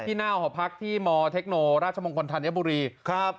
ที่หน้าอาหอบพักที่มเทคโนราชมงค์คนธรรยบุรีครับ